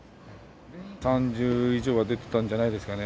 ３０以上は出てたんじゃないですかね。